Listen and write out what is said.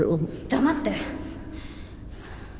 黙って！